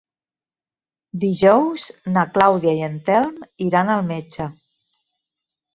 Dijous na Clàudia i en Telm iran al metge.